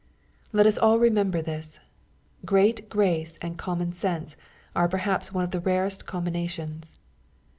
Let us all remember this. Great grace and common sense are perhaps one of the rarest combinations.